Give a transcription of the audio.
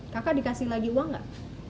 kakak dikasih lagi uang nggak